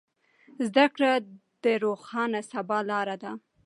زده کړه د روښانه سبا لاره ده.